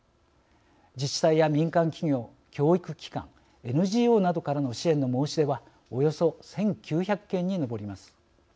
自治体や民間企業教育機関ＮＧＯなどからの支援の申し出はおよそ１，９００件に上ります。